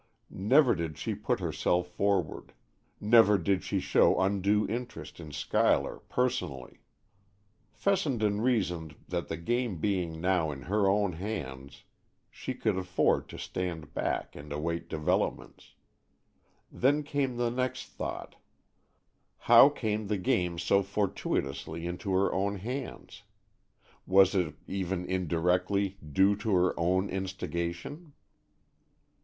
Never did she put herself forward; never did she show undue interest in Schuyler, personally. Fessenden reasoned that the game being now in her own hands, she could afford to stand back and await developments. Then came the next thought: how came the game so fortuitously into her own hands? Was it, even indirectly, due to her own instigation?